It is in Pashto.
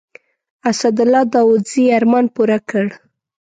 اسدالله داودزي ارمان پوره کړ.